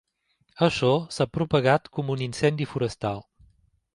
Això s'ha propagat com un incendi forestal!